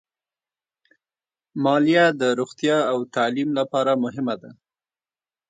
مالیه د روغتیا او تعلیم لپاره مهمه ده.